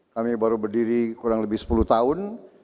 kami baru berdiri kurang lebih sepuluh tahun